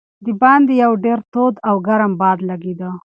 د باندې یو ډېر تود او ګرم باد لګېده.